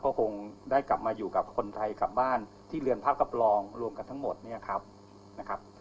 ก็คงได้กลับมาอยู่กับคนไทยกลับบ้านที่เรือนพักรับรองรวมกันทั้งหมดเนี่ยครับนะครับ